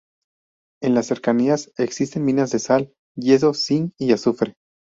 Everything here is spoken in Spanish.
En las cercanías existen minas de sal, yeso, zinc y azufre.